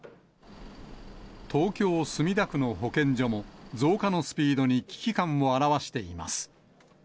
東京・墨田区の保健所も、増加のスピードに危機感を表しています。